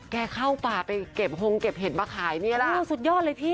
แกเข้าป่าไปเก็บหงเก็บเห็ดมาขายเนี่ยล่ะโอ้ยสุดยอดเลยพี่